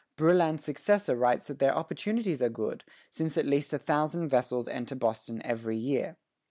Brouillan's successor writes that their opportunities are good, since at least a thousand vessels enter Boston every year.